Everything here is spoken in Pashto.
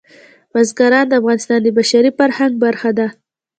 بزګان د افغانستان د بشري فرهنګ برخه ده.